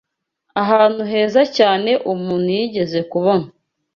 Ahantu heza cyane umuntu yigeze kubona